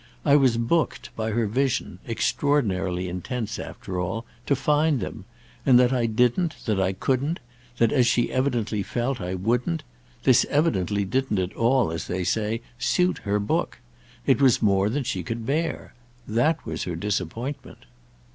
I was booked, by her vision—extraordinarily intense, after all—to find them; and that I didn't, that I couldn't, that, as she evidently felt, I wouldn't—this evidently didn't at all, as they say, 'suit' her book. It was more than she could bear. That was her disappointment."